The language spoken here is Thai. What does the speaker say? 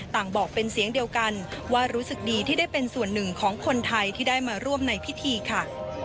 บอกเป็นเสียงเดียวกันว่ารู้สึกดีที่ได้เป็นส่วนหนึ่งของคนไทยที่ได้มาร่วมในพิธีค่ะ